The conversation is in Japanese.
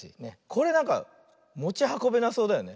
これなんかもちはこべなそうだよね。